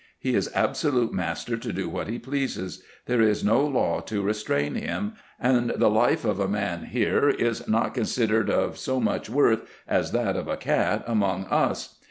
He is absolute master to do what he pleases : there is no law to restrain him ; and the life of a man here is not considered of so much worth as that of a cat among us.